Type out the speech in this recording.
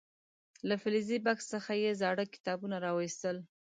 له فلزي بکس څخه یې زاړه کتابونه راو ویستل.